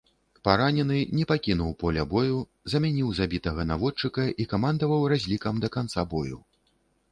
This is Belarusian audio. Паранены, не пакінуў поля бою, замяніў забітага наводчыка і камандаваў разлікам да канца бою.